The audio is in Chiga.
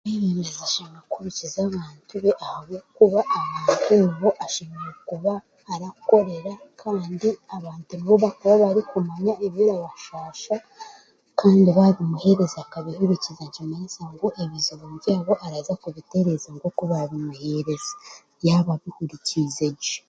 Omwebembezi ashemereire kuhurikiza abantu ahabwokuba abantu nibo ahemereire kuba arakorera kandi abantu nibo barikuba barikumanya ebirabashaasha kandi baabimuheereza akabihurikiriza nikimanyisa ngu ebizibu byabo araza kubitereeza nk'oku baabimuheereza yaaba abihuriikiriize gye.